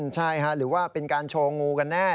ใช่ค่ะหรือว่าเป็นการโชว์งูกันแน่